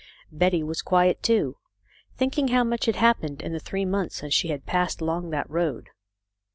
Betty was quiet, too, thinking how much had happened in the three months since she had passed along that road.